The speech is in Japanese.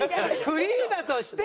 フリーだとして。